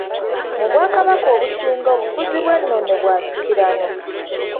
Mu bwakababaka obusinga obufuzi bw'ennono bwa nsikirano